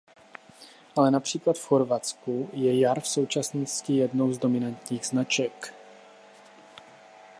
Ale například v Chorvatsku je Jar v současnosti jednou z dominantních značek.